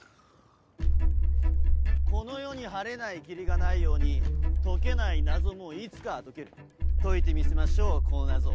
この世に晴れない霧がないように解けない謎もいつかは解ける解いてみせましょうこの謎を。